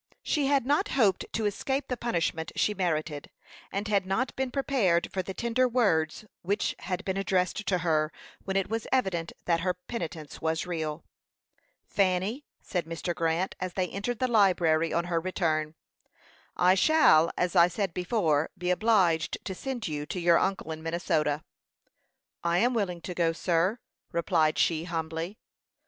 She had not hoped to escape the punishment she merited, and had not been prepared for the tender words which had been addressed to her when it was evident that her penitence was real. "Fanny," said Mr. Grant, as they entered the library, on her return, "I shall, as I said before, be obliged to send you to your uncle in Minnesota." "I am willing to go, sir," replied she, humbly.